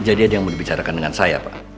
jadi ada yang mau dibicarakan dengan saya pak